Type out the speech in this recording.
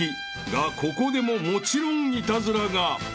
［がここでももちろんイタズラが］